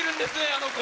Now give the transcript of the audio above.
あの子。